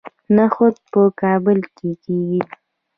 نخود په کابل کې کیږي